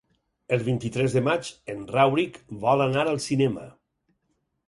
El vint-i-tres de maig en Rauric vol anar al cinema.